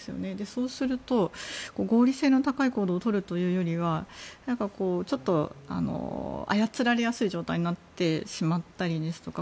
そうすると合理性の高い行動をとるというよりはちょっと操られやすい状態になってしまったりですとか